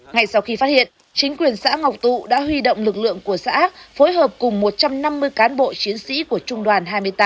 ngay sau khi phát hiện chính quyền xã ngọc tụ đã huy động lực lượng của xã phối hợp cùng một trăm năm mươi cán bộ chiến sĩ của trung đoàn hai mươi tám